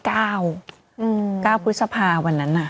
กล้าวพฤษภาวันนั้นน่ะ